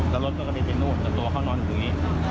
แต่รถก็ก็ไม่เป็นโน่นแต่ตัวเขานอนอยู่ตรงนี้